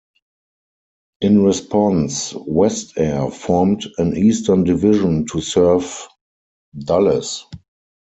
In response, WestAir formed an eastern division to serve Dulles.